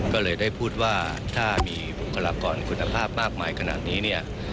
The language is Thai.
ก็เลยได้พูดว่าถ้ามีบุคลากรคุณภาพมากมายขนาดนี้เนี่ย